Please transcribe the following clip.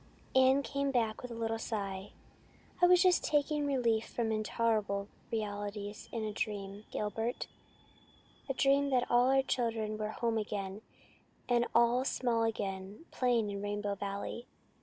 Anne came back with a little sigh. "I was just taking relief from intolerable realities in a dream, Gilbert a dream that all our children were home again and all small again playing in Rainbow Valley.